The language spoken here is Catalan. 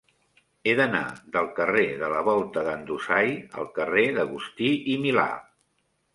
He d'anar del carrer de la Volta d'en Dusai al carrer d'Agustí i Milà.